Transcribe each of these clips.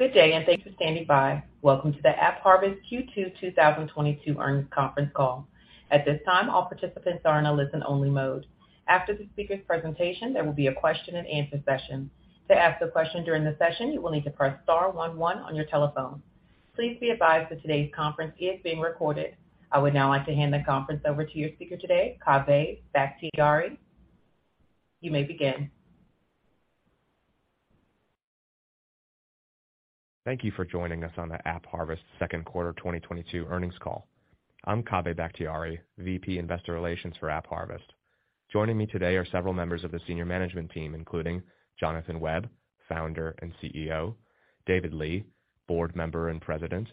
Good day, and thanks for standing by. Welcome to the AppHarvest Q2 2022 earnings conference call. At this time, all participants are in a listen-only mode. After the speaker's presentation, there will be a question-and-answer session. To ask a question during the session, you will need to press star one one on your telephone. Please be advised that today's conference is being recorded. I would now like to hand the conference over to your speaker today, Kaveh Bakhtiari. You may begin. Thank you for joining us on the AppHarvest second quarter 2022 earnings call. I'm Kaveh Bakhtiari, VP Investor Relations for AppHarvest. Joining me today are several members of the senior management team, including Jonathan Webb, Founder and CEO, David Lee, Board Member and President,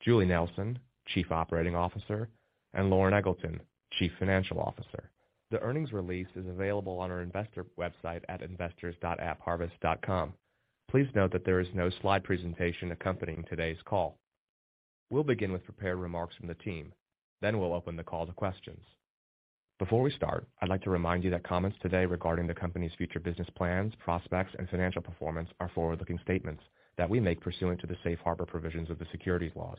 Julie Nelson, Chief Operating Officer, and Loren Eggleton, Chief Financial Officer. The earnings release is available on our investor website at investors.appharvest.com. Please note that there is no slide presentation accompanying today's call. We'll begin with prepared remarks from the team, then we'll open the call to questions. Before we start, I'd like to remind you that comments today regarding the company's future business plans, prospects, and financial performance are forward-looking statements that we make pursuant to the safe harbor provisions of the securities laws.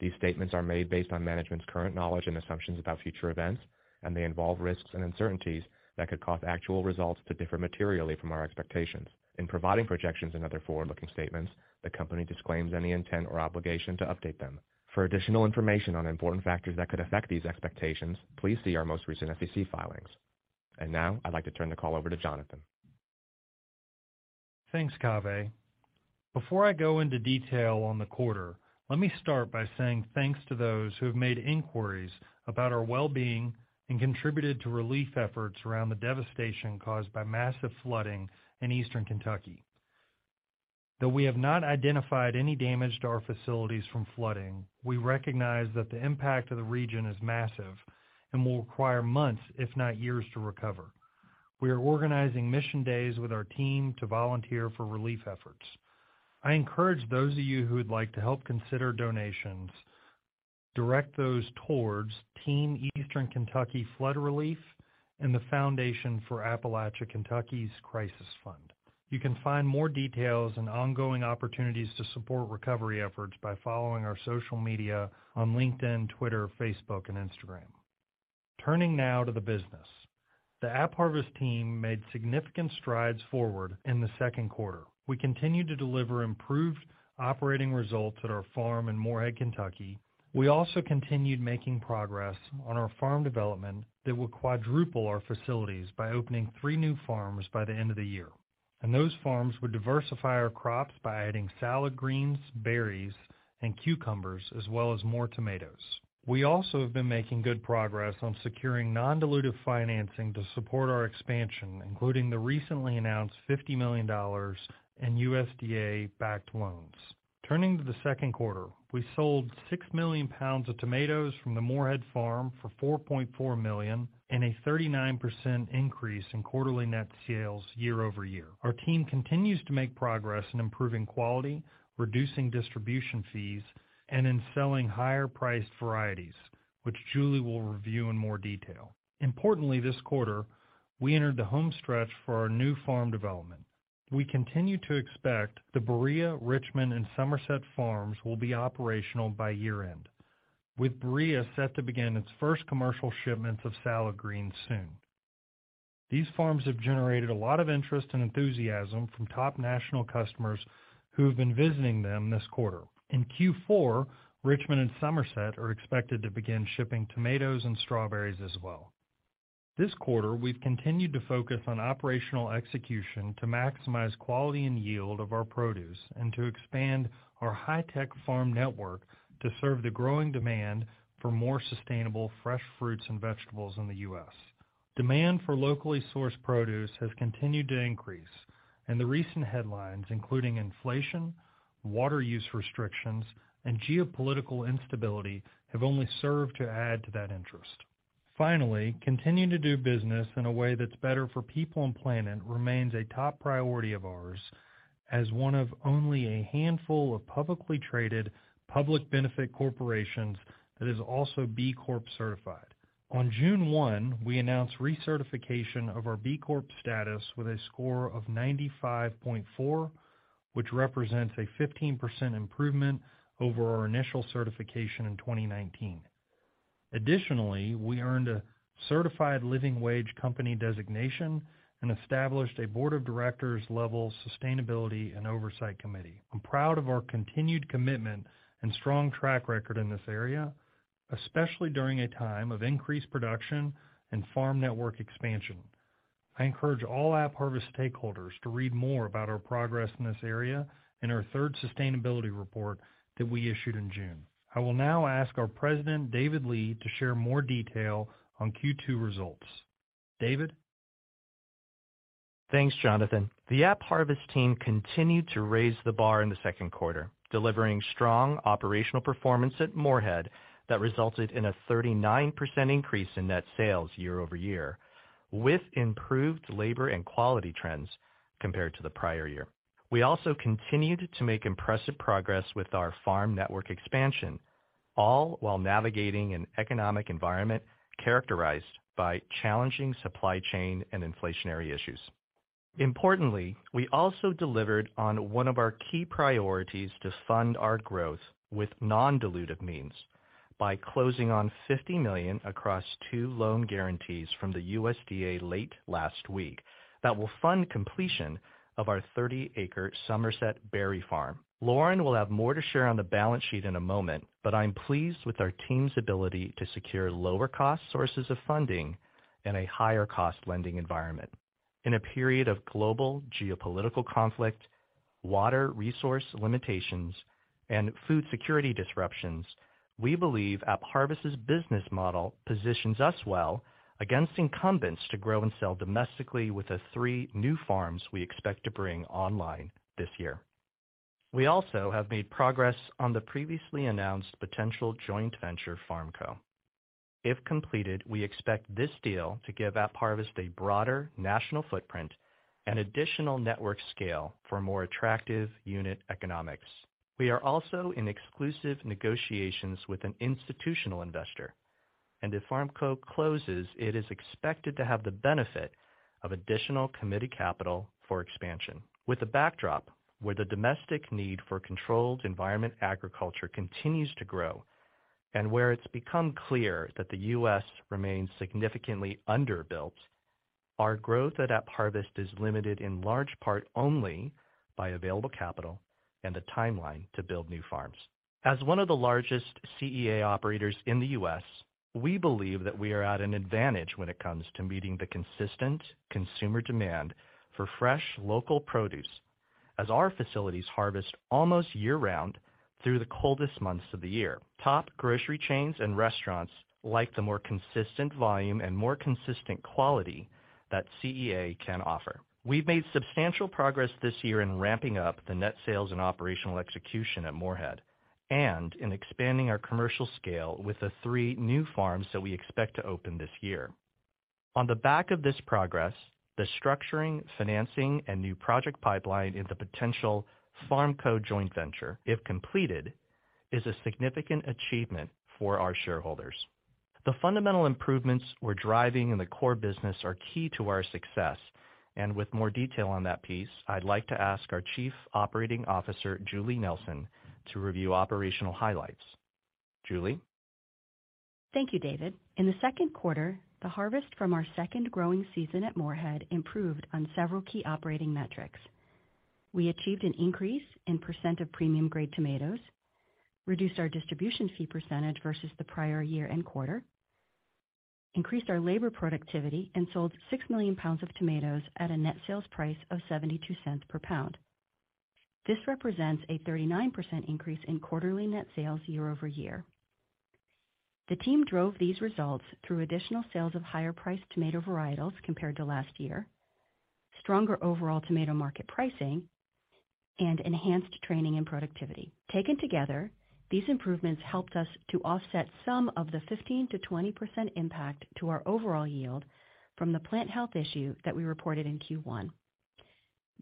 These statements are made based on management's current knowledge and assumptions about future events, and they involve risks and uncertainties that could cause actual results to differ materially from our expectations. In providing projections and other forward-looking statements, the company disclaims any intent or obligation to update them. For additional information on important factors that could affect these expectations, please see our most recent SEC filings. Now I'd like to turn the call over to Jonathan. Thanks, Kaveh. Before I go into detail on the quarter, let me start by saying thanks to those who have made inquiries about our well-being and contributed to relief efforts around the devastation caused by massive flooding in Eastern Kentucky. Though we have not identified any damage to our facilities from flooding, we recognize that the impact of the region is massive and will require months, if not years, to recover. We are organizing mission days with our team to volunteer for relief efforts. I encourage those of you who would like to help consider donations, direct those towards Team Eastern Kentucky Flood Relief and the Foundation for Appalachian Kentucky's Crisis Fund. You can find more details and ongoing opportunities to support recovery efforts by following our social media on LinkedIn, Twitter, Facebook, and Instagram. Turning now to the business. The AppHarvest team made significant strides forward in the second quarter. We continued to deliver improved operating results at our farm in Morehead, Kentucky. We also continued making progress on our farm development that will quadruple our facilities by opening three new farms by the end of the year. Those farms will diversify our crops by adding salad greens, berries, and cucumbers, as well as more tomatoes. We also have been making good progress on securing non-dilutive financing to support our expansion, including the recently announced $50 million in USDA-backed loans. Turning to the second quarter. We sold 6 million lbs of tomatoes from the Morehead farm for $4.4 million, a 39% increase in quarterly net sales year-over-year. Our team continues to make progress in improving quality, reducing distribution fees, and in selling higher-priced varieties, which Julie will review in more detail. Importantly, this quarter, we entered the home stretch for our new farm development. We continue to expect the Berea, Richmond, and Somerset Farms will be operational by year-end, with Berea set to begin its first commercial shipments of salad greens soon. These farms have generated a lot of interest and enthusiasm from top national customers who have been visiting them this quarter. In Q4, Richmond and Somerset are expected to begin shipping tomatoes and strawberries as well. This quarter, we've continued to focus on operational execution to maximize quality and yield of our produce and to expand our high-tech farm network to serve the growing demand for more sustainable fresh fruits and vegetables in the U.S. Demand for locally sourced produce has continued to increase, and the recent headlines, including inflation, water use restrictions, and geopolitical instability, have only served to add to that interest. Finally, continuing to do business in a way that's better for people and planet remains a top priority of ours as one of only a handful of publicly traded public benefit corporations that is also B Corp certified. On June 1, we announced recertification of our B Corp status with a score of 95.4, which represents a 15% improvement over our initial certification in 2019. Additionally, we earned a Living Wage Certified company designation and established a board of directors-level sustainability and oversight committee. I'm proud of our continued commitment and strong track record in this area, especially during a time of increased production and farm network expansion. I encourage all AppHarvest stakeholders to read more about our progress in this area in our third sustainability report that we issued in June. I will now ask our President, David Lee, to share more detail on Q2 results. David? Thanks, Jonathan. The AppHarvest team continued to raise the bar in the second quarter, delivering strong operational performance at Morehead that resulted in a 39% increase in net sales year-over-year with improved labor and quality trends compared to the prior year. We also continued to make impressive progress with our farm network expansion. All while navigating an economic environment characterized by challenging supply chain and inflationary issues. Importantly, we also delivered on one of our key priorities to fund our growth with non-dilutive means by closing on $50 million across two loan guarantees from the USDA late last week that will fund completion of our 30-acre Somerset berry farm. Loren will have more to share on the balance sheet in a moment, but I'm pleased with our team's ability to secure lower cost sources of funding in a higher cost lending environment. In a period of global geopolitical conflict, water resource limitations, and food security disruptions, we believe AppHarvest's business model positions us well against incumbents to grow and sell domestically with the three new farms we expect to bring online this year. We also have made progress on the previously-announced potential joint venture FarmCo. If completed, we expect this deal to give AppHarvest a broader national footprint and additional network scale for more attractive unit economics. We are also in exclusive negotiations with an institutional investor, and if FarmCo closes, it is expected to have the benefit of additional committed capital for expansion. With the backdrop where the domestic need for controlled environment agriculture continues to grow and where it's become clear that the U.S. remains significantly underbuilt, our growth at AppHarvest is limited in large part only by available capital and the timeline to build new farms. As one of the largest CEA operators in the U.S., we believe that we are at an advantage when it comes to meeting the consistent consumer demand for fresh, local produce as our facilities harvest almost year-round through the coldest months of the year. Top grocery chains and restaurants like the more consistent volume and more consistent quality that CEA can offer. We've made substantial progress this year in ramping up the net sales and operational execution at Morehead and in expanding our commercial scale with the three new farms that we expect to open this year. On the back of this progress, the structuring, financing, and new project pipeline into potential FarmCo joint venture, if completed, is a significant achievement for our shareholders. The fundamental improvements we're driving in the core business are key to our success, and with more detail on that piece, I'd like to ask our Chief Operating Officer, Julie Nelson, to review operational highlights. Julie? Thank you, David. In the second quarter, the harvest from our second growing season at Morehead improved on several key operating metrics. We achieved an increase in percent of premium grade tomatoes, reduced our distribution fee percentage versus the prior year and quarter, increased our labor productivity, and sold 6 million lbs of tomatoes at a net sales price of $0.72/lbs. This represents a 39% increase in quarterly net sales year-over-year. The team drove these results through additional sales of higher priced tomato varietals compared to last year, stronger overall tomato market pricing, and enhanced training and productivity. Taken together, these improvements helped us to offset some of the 15%-20% impact to our overall yield from the plant health issue that we reported in Q1.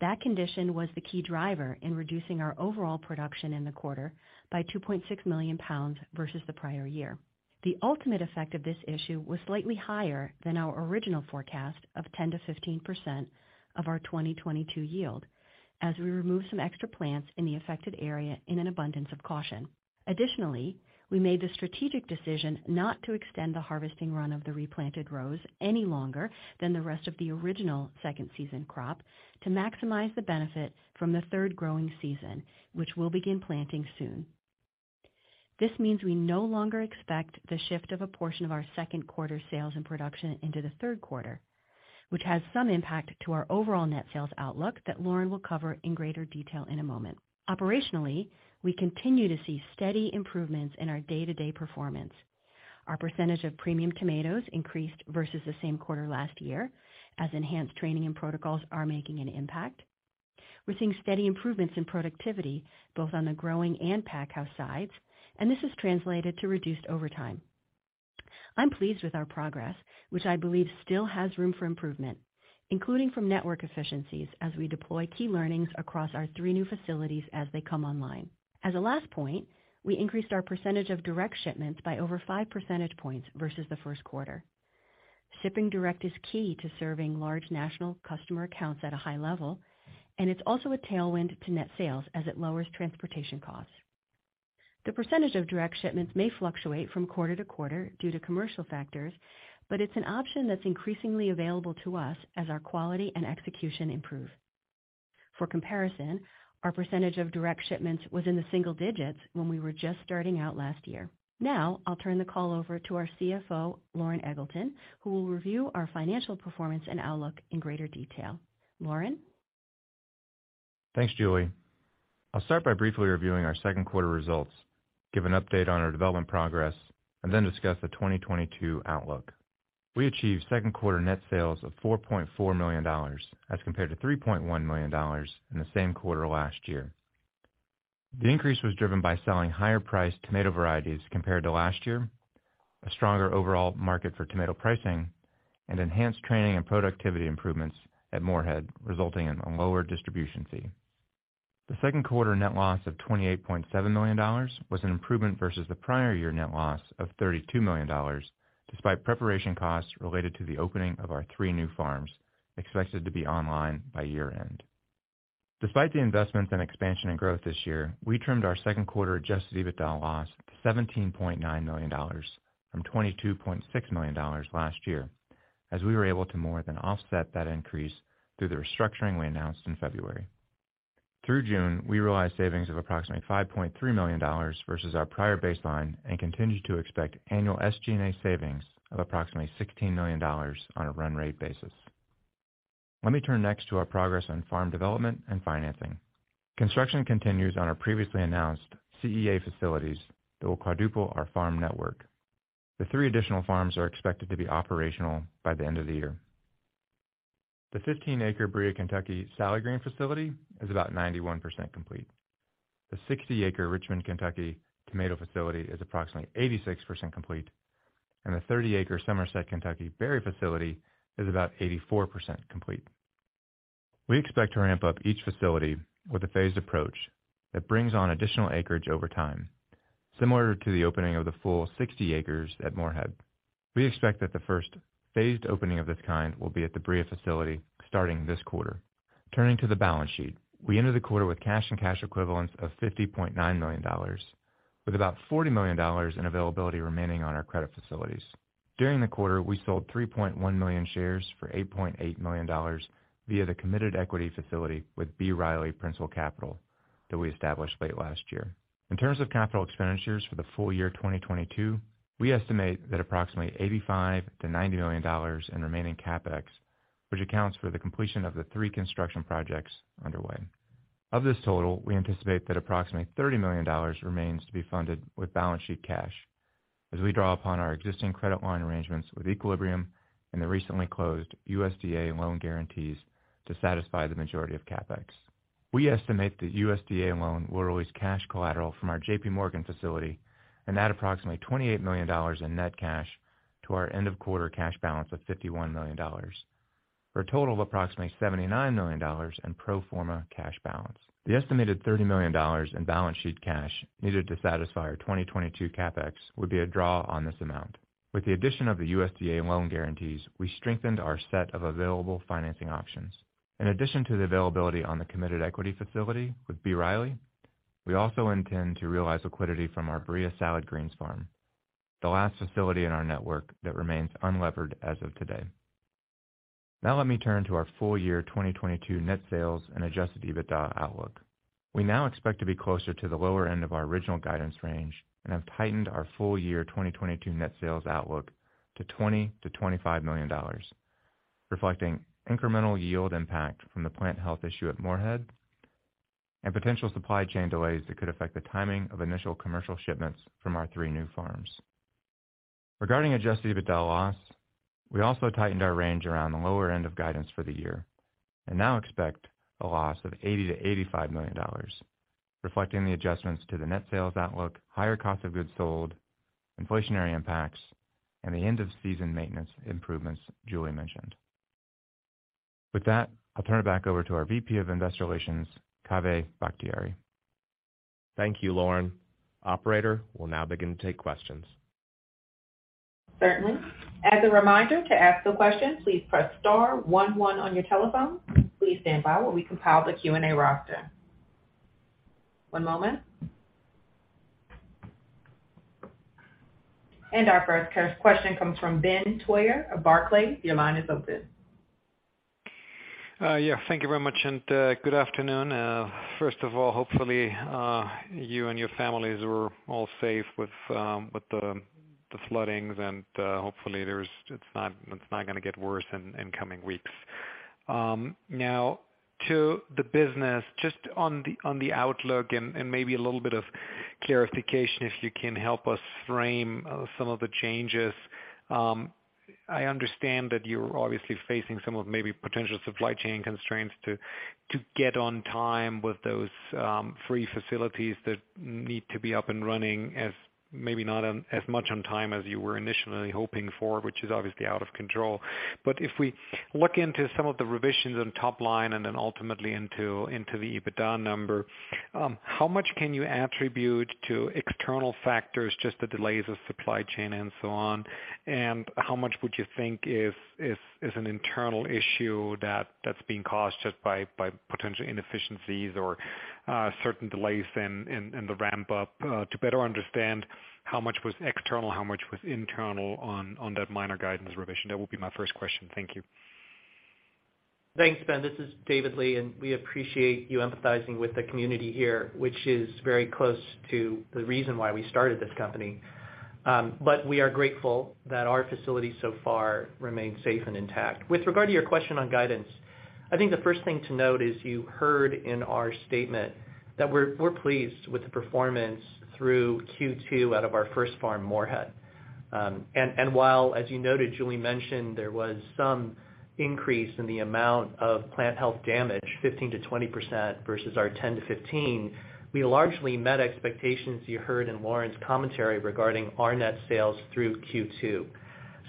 That condition was the key driver in reducing our overall production in the quarter by 2.6 million lbs versus the prior year. The ultimate effect of this issue was slightly higher than our original forecast of 10%-15% of our 2022 yield as we removed some extra plants in the affected area in an abundance of caution. Additionally, we made the strategic decision not to extend the harvesting run of the replanted rows any longer than the rest of the original second season crop to maximize the benefits from the third growing season, which we'll begin planting soon. This means we no longer expect the shift of a portion of our second quarter sales and production into the third quarter, which has some impact to our overall net sales outlook that Loren will cover in greater detail in a moment. Operationally, we continue to see steady improvements in our day-to-day performance. Our percentage of premium tomatoes increased versus the same quarter last year as enhanced training and protocols are making an impact. We're seeing steady improvements in productivity, both on the growing and pack house sides, and this has translated to reduced overtime. I'm pleased with our progress, which I believe still has room for improvement, including from network efficiencies as we deploy key learnings across our three new facilities as they come online. As a last point, we increased our percentage of direct shipments by over 5 percentage points versus the first quarter. Shipping direct is key to serving large national customer accounts at a high level, and it's also a tailwind to net sales as it lowers transportation costs. The percentage of direct shipments may fluctuate from quarter-to-quarter due to commercial factors, but it's an option that's increasingly available to us as our quality and execution improve. For comparison, our percentage of direct shipments was in the single digits when we were just starting out last year. Now, I'll turn the call over to our CFO, Loren Eggleton, who will review our financial performance and outlook in greater detail. Loren? Thanks, Julie. I'll start by briefly reviewing our second quarter results, give an update on our development progress, and then discuss the 2022 outlook. We achieved second quarter net sales of $4.4 million as compared to $3.1 million in the same quarter last year. The increase was driven by selling higher priced tomato varieties compared to last year. A stronger overall market for tomato pricing and enhanced training and productivity improvements at Morehead, resulting in a lower distribution fee. The second quarter net loss of $28.7 million was an improvement versus the prior year net loss of $32 million, despite preparation costs related to the opening of our three new farms expected to be online by year-end. Despite the investments in expansion and growth this year, we trimmed our second quarter adjusted EBITDA loss to $17.9 million from $22.6 million last year, as we were able to more than offset that increase through the restructuring we announced in February. Through June, we realized savings of approximately $5.3 million versus our prior baseline and continue to expect annual SG&A savings of approximately $16 million on a run rate basis. Let me turn next to our progress on farm development and financing. Construction continues on our previously announced CEA facilities that will quadruple our farm network. The three additional farms are expected to be operational by the end of the year. The 15-acre Berea, Kentucky, salad green facility is about 91% complete. The 60-acre Richmond, Kentucky, tomato facility is approximately 86% complete, and the 30-acre Somerset, Kentucky, berry facility is about 84% complete. We expect to ramp up each facility with a phased approach that brings on additional acreage over time, similar to the opening of the full 60 acres at Morehead. We expect that the first phased opening of this kind will be at the Berea facility starting this quarter. Turning to the balance sheet. We entered the quarter with cash and cash equivalents of $50.9 million, with about $40 million in availability remaining on our credit facilities. During the quarter, we sold 3.1 million shares for $8.8 million via the committed equity facility with B. Riley Principal Capital that we established late last year. In terms of capital expenditures for the full year 2022, we estimate that approximately $85 million-$90 million in remaining CapEx, which accounts for the completion of the three construction projects underway. Of this total, we anticipate that approximately $30 million remains to be funded with balance sheet cash as we draw upon our existing credit line arrangements with Equilibrium and the recently closed USDA loan guarantees to satisfy the majority of CapEx. We estimate the USDA loan will release cash collateral from our JPMorgan facility and add approximately $28 million in net cash to our end of quarter cash balance of $51 million, for a total of approximately $79 million in pro forma cash balance. The estimated $30 million in balance sheet cash needed to satisfy our 2022 CapEx would be a draw on this amount. With the addition of the USDA loan guarantees, we strengthened our set of available financing options. In addition to the availability on the committed equity facility with B. Riley, we also intend to realize liquidity from our Berea salad greens farm, the last facility in our network that remains unlevered as of today. Now let me turn to our full year 2022 net sales and adjusted EBITDA outlook. We now expect to be closer to the lower end of our original guidance range and have tightened our full year 2022 net sales outlook to $20 million-$25 million, reflecting incremental yield impact from the plant health issue at Morehead and potential supply chain delays that could affect the timing of initial commercial shipments from our three new farms. Regarding adjusted EBITDA loss, we also tightened our range around the lower end of guidance for the year and now expect a loss of $80 million-$85 million, reflecting the adjustments to the net sales outlook, higher cost of goods sold, inflationary impacts, and the end-of-season maintenance improvements Julie mentioned. With that, I'll turn it back over to our VP of Investor Relations, Kaveh Bakhtiari. Thank you, Loren. Operator, we'll now begin to take questions. Certainly. As a reminder to ask a question, please press star one one on your telephone. Please stand by while we compile the Q&A roster. One moment. Our first question comes from Ben Theurer of Barclays. Your line is open. Yeah, thank you very much and good afternoon. First of all, hopefully you and your families were all safe with the floodings. Hopefully it's not gonna get worse in coming weeks. Now to the business, just on the outlook and maybe a little bit of clarification if you can help us frame some of the changes. I understand that you're obviously facing some of maybe potential supply chain constraints to get on time with those three facilities that need to be up and running as maybe not on as much on time as you were initially hoping for, which is obviously out of control. If we look into some of the revisions on top line and then ultimately into the EBITDA number, how much can you attribute to external factors, just the delays of supply chain and so on, and how much would you think is an internal issue that's being caused just by potentially inefficiencies or certain delays in the ramp up? To better understand how much was external, how much was internal on that minor guidance revision. That would be my first question. Thank you. Thanks, Ben. This is David Lee, and we appreciate you empathizing with the community here, which is very close to the reason why we started this company. We are grateful that our facilities so far remain safe and intact. With regard to your question on guidance, I think the first thing to note is you heard in our statement that we're pleased with the performance through Q2 out of our first farm, Morehead. While as you noted, Julie mentioned there was some increase in the amount of plant health damage, 15%-20% versus our 10%-15%. We largely met expectations you heard in Loren's commentary regarding our net sales through Q2.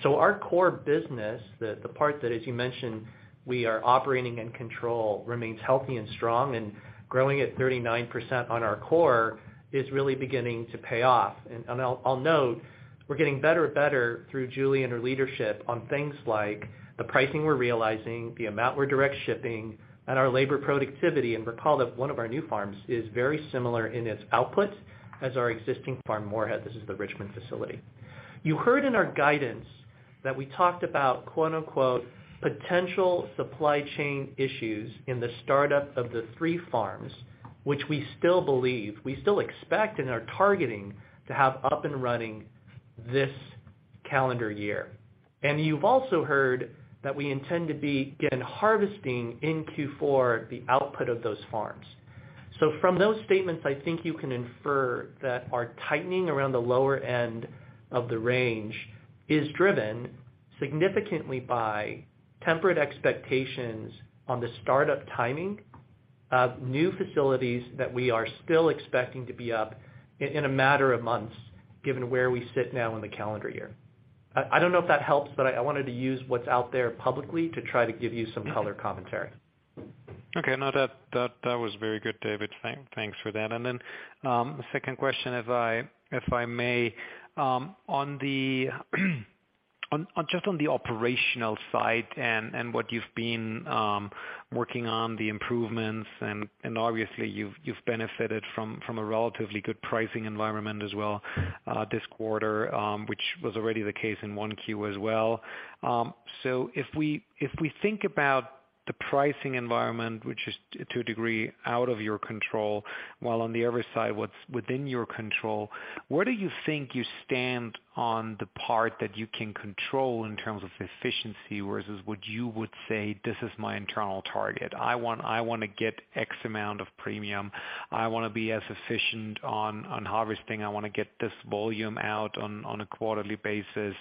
Our core business, the part that as you mentioned, we are operating and control remains healthy and strong and growing at 39% on our core is really beginning to pay off. I'll note we're getting better and better through Julie and her leadership on things like the pricing we're realizing, the amount we're direct shipping and our labor productivity. Recall that one of our new farms is very similar in its output as our existing farm, Morehead. This is the Richmond facility. You heard in our guidance that we talked about quote-unquote, "potential supply chain issues" in the startup of the three farms, which we still believe, we still expect and are targeting to have up and running this calendar year. You've also heard that we intend to be getting harvesting in Q4, the output of those farms. From those statements, I think you can infer that our tightening around the lower end of the range is driven significantly by tempered expectations on the startup timing of new facilities that we are still expecting to be up in a matter of months given where we sit now in the calendar year. I don't know if that helps, but I wanted to use what's out there publicly to try to give you some color commentary. Okay. No, that was very good, David. Thanks for that. Then, the second question, if I may, on just the operational side and what you've been working on the improvements and obviously you've benefited from a relatively good pricing environment as well, this quarter, which was already the case in 1Q as well. If we think about the pricing environment, which is to a degree out of your control, while on the other side, what's within your control, where do you think you stand on the part that you can control in terms of efficiency versus what you would say, this is my internal target? I want, I wanna get X amount of premium. I wanna be as efficient on harvesting. I wanna get this volume out on a quarterly basis,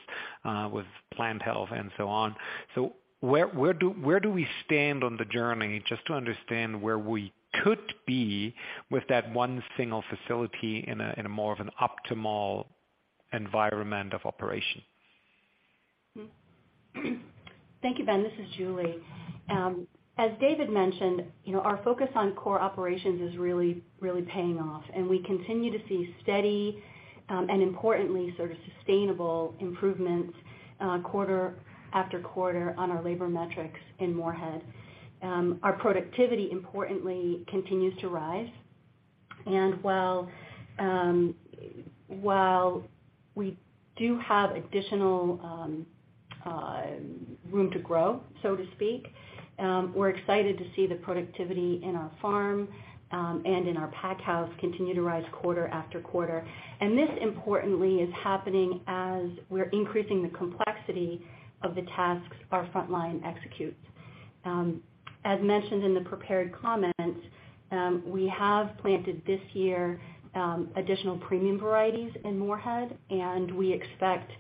with plant health and so on. Where do we stand on the journey just to understand where we could be with that one single facility in a more of an optimal environment of operation? Thank you, Ben. This is Julie. As David mentioned, you know, our focus on core operations is really paying off, and we continue to see steady, and importantly sort of sustainable improvements quarter-after-quarter on our labor metrics in Morehead. Our productivity importantly continues to rise. While we do have additional room to grow, so to speak, we're excited to see the productivity in our farm and in our pack house continue to rise quarter-after-quarter. This importantly is happening as we're increasing the complexity of the tasks our frontline executes. As mentioned in the prepared comments, we have planted this year additional premium varieties in Morehead, and we expect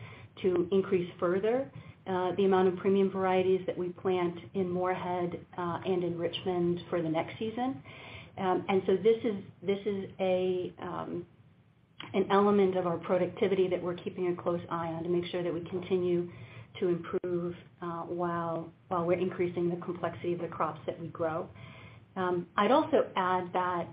to increase further the amount of premium varieties that we plant in Morehead and in Richmond for the next season. This is an element of our productivity that we're keeping a close eye on to make sure that we continue to improve while we're increasing the complexity of the crops that we grow. I'd also add that,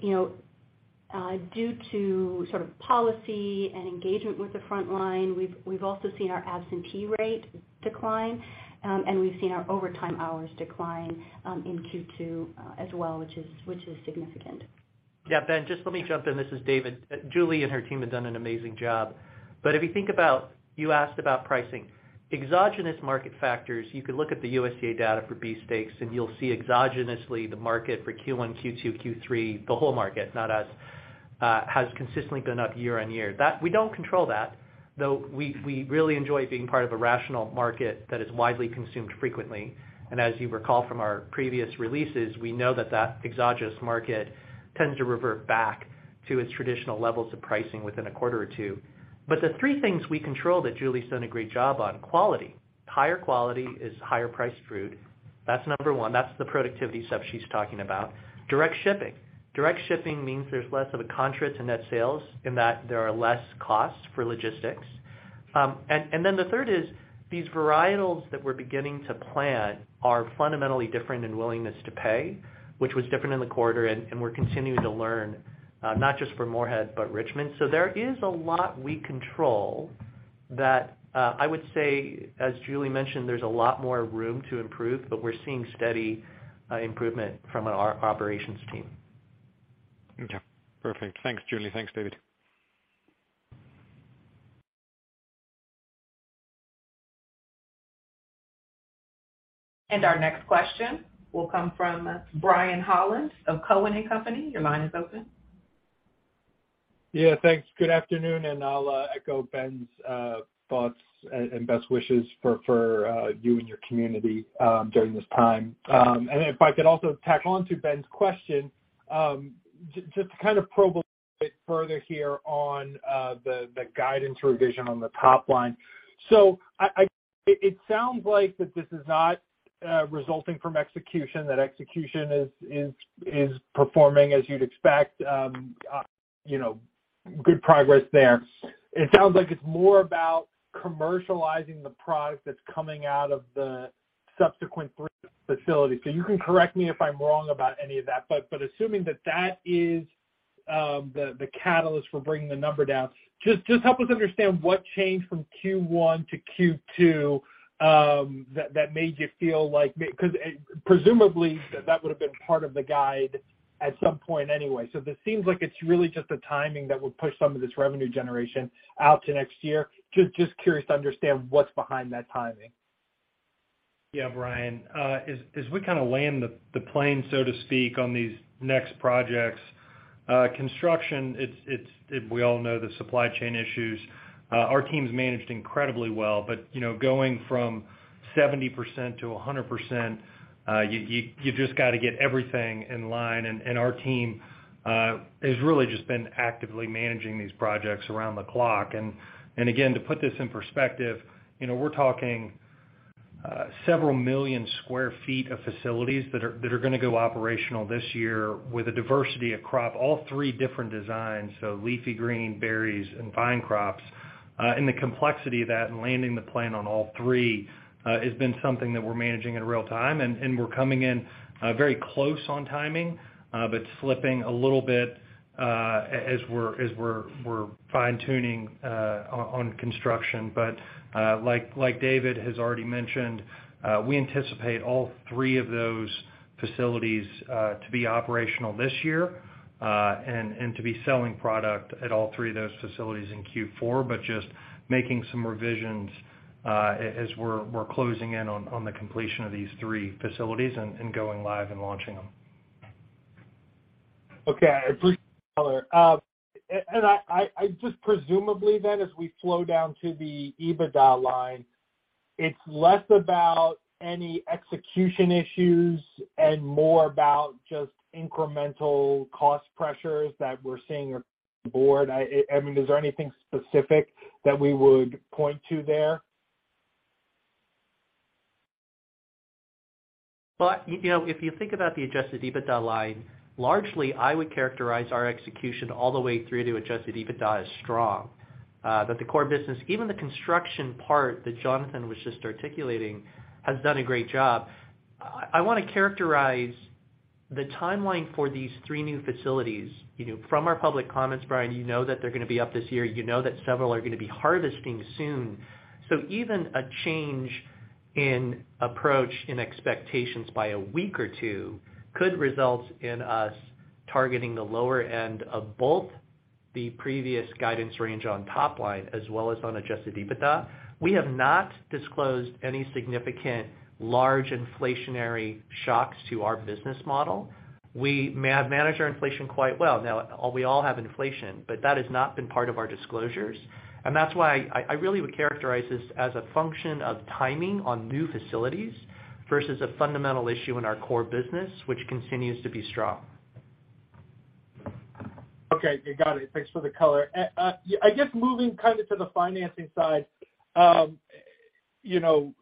you know, due to sort of policy and engagement with the frontline, we've also seen our absentee rate decline, and we've seen our overtime hours decline in Q2 as well, which is significant. Yeah. Ben, just let me jump in. This is David. Julie and her team have done an amazing job. If you think about, you asked about pricing. Exogenous market factors, you can look at the USDA data for beefsteak, and you'll see exogenously the market for Q1, Q2, Q3, the whole market, not us, has consistently been up year-on-year. That we don't control that, though we really enjoy being part of a rational market that is widely consumed frequently. As you recall from our previous releases, we know that that exogenous market tends to revert back to its traditional levels of pricing within a quarter or two. The three things we control that Julie's done a great job on, quality. Higher quality is higher priced food. That's number one. That's the productivity stuff she's talking about. Direct shipping. Direct shipping means there's less of a contrast in net sales in that there are less costs for logistics. These varietals that we're beginning to plant are fundamentally different in willingness to pay, which was different in the quarter, and we're continuing to learn, not just for Morehead but Richmond. There is a lot we control that, I would say, as Julie mentioned, there's a lot more room to improve, but we're seeing steady improvement from our operations team. Okay. Perfect. Thanks, Julie. Thanks, David. Our next question will come from Brian Holland of Cowen and Company. Your line is open. Yeah, thanks. Good afternoon, and I'll echo Ben's thoughts and best wishes for you and your community during this time. If I could also tack on to Ben's question, just to kind of probe a bit further here on the guidance revision on the top line. It sounds like that this is not resulting from execution, that execution is performing as you'd expect. You know, good progress there. It sounds like it's more about commercializing the product that's coming out of the subsequent three facilities. You can correct me if I'm wrong about any of that, but assuming that is the catalyst for bringing the number down, just help us understand what changed from Q1 to Q2 that made you feel like, 'cause presumably that would have been part of the guide at some point anyway. It seems like it's really just the timing that would push some of this revenue generation out to next year. Just curious to understand what's behind that timing. Yeah, Brian. As we kinda land the plane, so to speak, on these next projects, construction, it's we all know the supply chain issues. Our teams managed incredibly well. You know, going from 70% to 100%, you just gotta get everything in line. Our team has really just been actively managing these projects around the clock. To put this in perspective, you know, we're talking several million square feet of facilities that are gonna go operational this year with a diversity across all three different designs, so leafy green, berries, and vine crops. The complexity of that and landing the plan on all three has been something that we're managing in real time. We're coming in very close on timing, but slipping a little bit, as we're fine-tuning on construction. Like David has already mentioned, we anticipate all three of those facilities to be operational this year, and to be selling product at all three of those facilities in Q4, but just making some revisions, as we're closing in on the completion of these three facilities and going live and launching them. Okay. I appreciate the color. I just presumably then, as we flow down to the EBITDA line, it's less about any execution issues and more about just incremental cost pressures that we're seeing across the board. I mean, is there anything specific that we would point to there? You know, if you think about the adjusted EBITDA line, largely, I would characterize our execution all the way through to adjusted EBITDA as strong, that the core business, even the construction part that Jonathan was just articulating, has done a great job. I wanna characterize the timeline for these three new facilities. You know, from our public comments, Brian, you know that they're gonna be up this year, you know that several are gonna be harvesting soon. Even a change in approach in expectations by a week or two could result in us targeting the lower end of both the previous guidance range on top line as well as on adjusted EBITDA. We have not disclosed any significant large inflationary shocks to our business model. We have managed our inflation quite well. Now, we all have inflation, but that has not been part of our disclosures. That's why I really would characterize this as a function of timing on new facilities versus a fundamental issue in our core business, which continues to be strong. Okay. Got it. Thanks for the color. I guess moving kind of to the financing side, you know,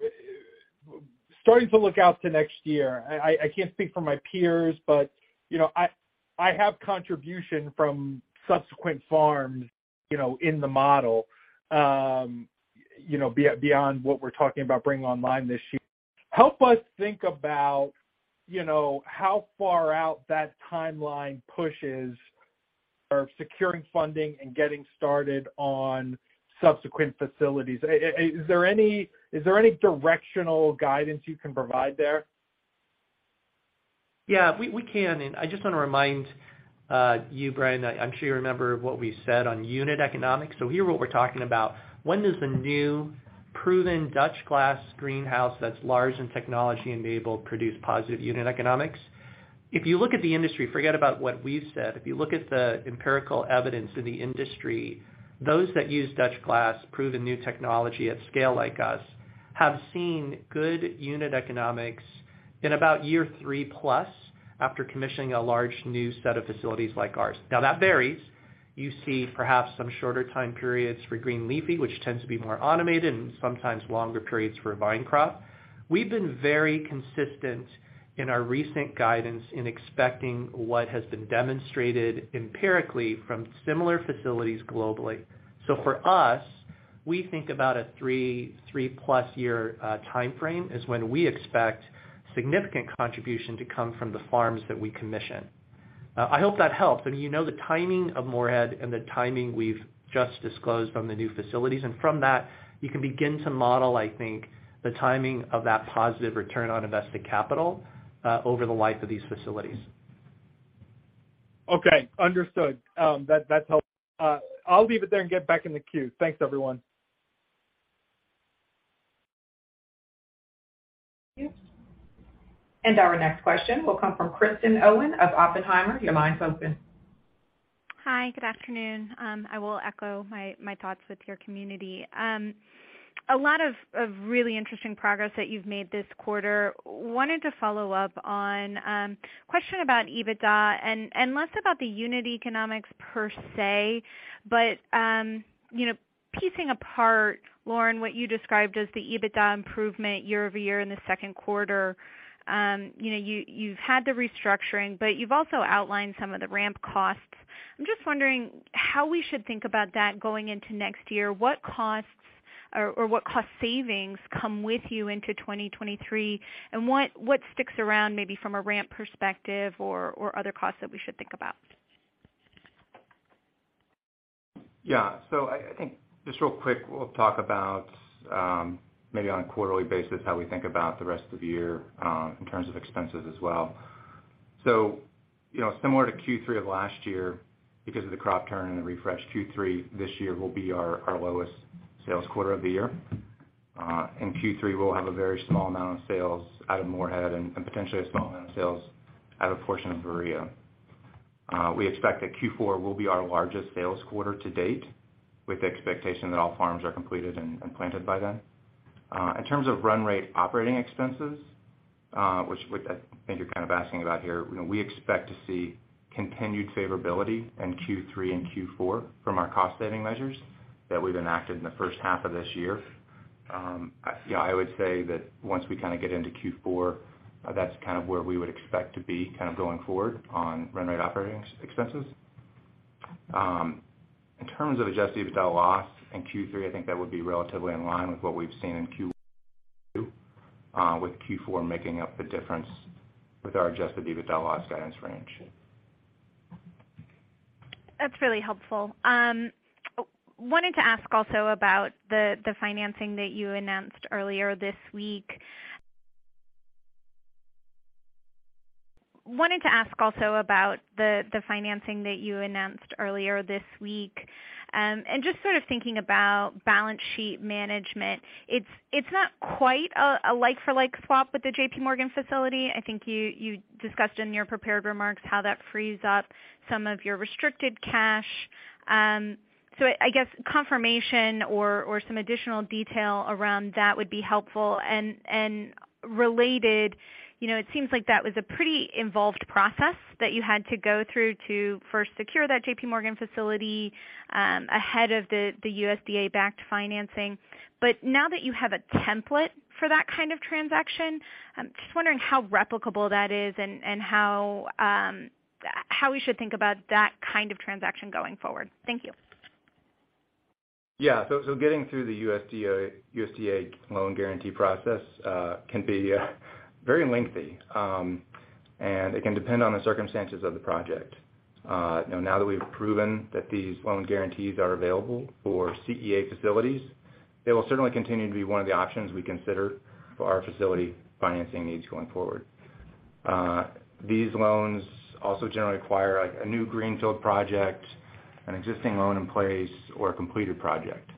starting to look out to next year, I can't speak for my peers, but, you know, I have contribution from subsequent farms, you know, in the model, beyond what we're talking about bringing online this year. Help us think about, how far out that timeline pushes for securing funding and getting started on subsequent facilities. Is there any directional guidance you can provide there? Yeah, we can. I just wanna remind you, Brian, I'm sure you remember what we said on unit economics. Here's what we're talking about, when does the new proven Dutch glass greenhouse that's large and technology-enabled produce positive unit economics? If you look at the industry, forget about what we've said. If you look at the empirical evidence in the industry, those that use Dutch glass proven new technology at scale like us have seen good unit economics in about year three-plus after commissioning a large new set of facilities like ours. Now, that varies. You see perhaps some shorter time periods for green leafy, which tends to be more automated and sometimes longer periods for vine crop. We've been very consistent in our recent guidance in expecting what has been demonstrated empirically from similar facilities globally. For us, we think about a three-plus year timeframe is when we expect significant contribution to come from the farms that we commission. I hope that helps. I mean, you know the timing of Morehead and the timing we've just disclosed on the new facilities. From that, you can begin to model, I think, the timing of that positive return on invested capital over the life of these facilities. Okay. Understood. That's helpful. I'll leave it there and get back in the queue. Thanks, everyone. Thank you. Our next question will come from Kristen Owen of Oppenheimer. Your line's open. Hi, good afternoon. I will echo my thoughts with your community. A lot of really interesting progress that you've made this quarter. Wanted to follow up on question about EBITDA and less about the unit economics per se, but you know, picking apart, Loren, what you described as the EBITDA improvement year-over-year in the second quarter. You know, you've had the restructuring, but you've also outlined some of the ramp costs. I'm just wondering how we should think about that going into next year. What costs or what cost savings come with you into 2023, and what sticks around maybe from a ramp perspective or other costs that we should think about? Yeah. I think just real quick, we'll talk about maybe on a quarterly basis how we think about the rest of the year in terms of expenses as well. You know, similar to Q3 of last year because of the crop turn and the refresh Q3, this year will be our lowest sales quarter of the year. In Q3, we'll have a very small amount of sales out of Morehead and potentially a small amount of sales out of portion of Berea. We expect that Q4 will be our largest sales quarter-to-date with the expectation that all farms are completed and planted by then. In terms of run rate operating expenses, which I think you're kind of asking about here, you know, we expect to see continued favorability in Q3 and Q4 from our cost saving measures that we've enacted in the first half of this year. Yeah, I would say that once we kinda get into Q4, that's kind of where we would expect to be kind of going forward on run rate operating expenses. In terms of adjusted EBITDA loss in Q3, I think that would be relatively in line with what we've seen in Q2, with Q4 making up the difference with our adjusted EBITDA loss guidance range. That's really helpful. Wanted to ask also about the financing that you announced earlier this week, and just sort of thinking about balance sheet management. It's not quite a like for like swap with the JPMorgan facility. I think you discussed in your prepared remarks how that frees up some of your restricted cash. I guess confirmation or some additional detail around that would be helpful. Related, you know, it seems like that was a pretty involved process that you had to go through to first secure that JPMorgan facility ahead of the USDA-backed financing. Now that you have a template for that kind of transaction, I'm just wondering how replicable that is and how we should think about that kind of transaction going forward. Thank you. Getting through the USDA loan guarantee process can be very lengthy, and it can depend on the circumstances of the project. Now that we've proven that these loan guarantees are available for CEA facilities, they will certainly continue to be one of the options we consider for our facility financing needs going forward. These loans also generally require a new greenfield project, an existing loan in place, or a completed project.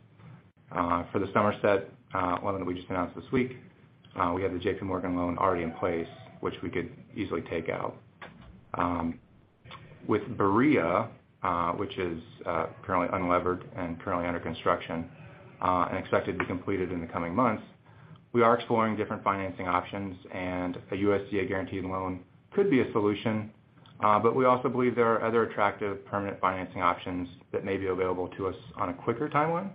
For the Somerset loan that we just announced this week, we have the JPMorgan loan already in place, which we could easily take out. With Berea, which is currently unlevered and currently under construction and expected to be completed in the coming months, we are exploring different financing options and a USDA guaranteed loan could be a solution, but we also believe there are other attractive permanent financing options that may be available to us on a quicker timeline.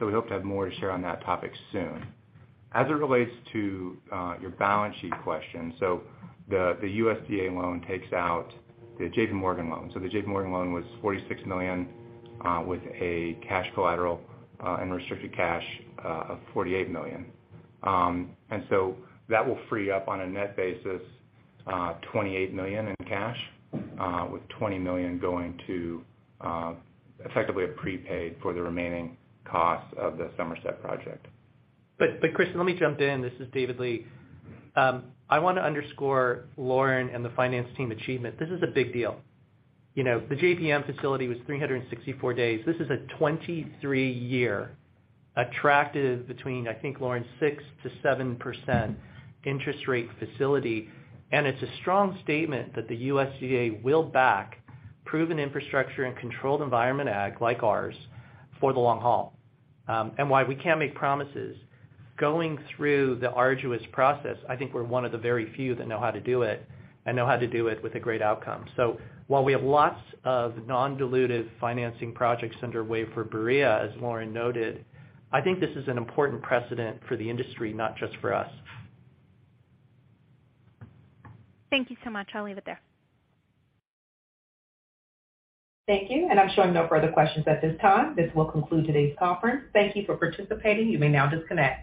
We hope to have more to share on that topic soon. As it relates to your balance sheet question, the USDA loan takes out the JPMorgan loan. The JPMorgan loan was $46 million with cash collateral and restricted cash of $48 million. That will free up on a net basis $28 million in cash, with $20 million going to effectively a prepaid for the remaining costs of the Somerset project. Chris, let me jump in. This is David Lee. I wanna underscore Loren and the finance team achievement. This is a big deal. You know, the JPM facility was 364 days. This is a 23-year attractive between, I think, Loren, 6%-7% interest rate facility. It's a strong statement that the USDA will back proven infrastructure and controlled environment ag like ours for the long haul. While we can't make promises, going through the arduous process, I think we're one of the very few that know how to do it and know how to do it with a great outcome. While we have lots of non-dilutive financing projects underway for Berea, as Loren noted, I think this is an important precedent for the industry, not just for us. Thank you so much. I'll leave it there. Thank you. I'm showing no further questions at this time. This will conclude today's conference. Thank you for participating. You may now disconnect.